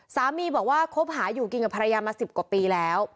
สามีบอกว่าคบหาอยู่กินกับภรรยามา๑๐กว่าปีแล้ว